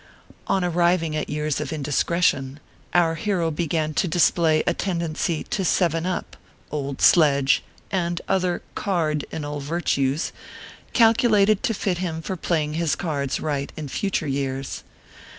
On arriving at years of indiscretion, our hero began to display a tendency to " seven up," Old Sledge, and other card inal virtues, calculated to fit him for play ing his cards right in future years.